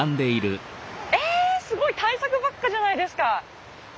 すごい大作ばっかじゃないですか！